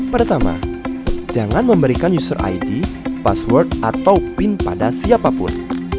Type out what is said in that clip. pertama jangan memberikan user id password atau pin pada siapapun